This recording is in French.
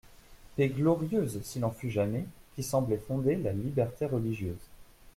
Paix glorieuse, s'il en fut jamais, qui semblait fonder la liberté religieuse.